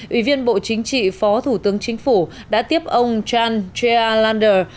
ủy viên bộ chính trị phó thủ tướng chính phủ đã tiếp ông john trealander